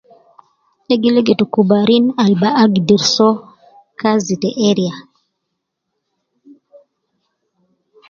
Ina gi legetu kubarin al agder so kazi ta area.